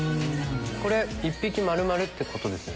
これ１匹丸々ってことですよね？